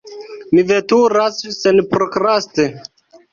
Mi veturas senprokraste.